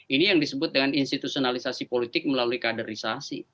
ini yang disebut dengan institusionalisasi politik melalui kaderisasi